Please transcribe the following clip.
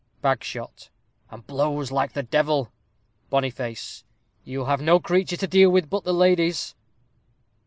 Bagshot. And blows like the devil. Boniface. You'll have no creature to deal with but the ladies.